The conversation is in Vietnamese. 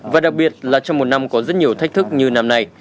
và đặc biệt là trong một năm có rất nhiều thách thức như năm nay